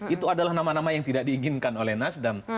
itu adalah nama nama yang tidak diinginkan oleh nasdem